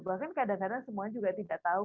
bahkan kadang kadang semuanya juga tidak tahu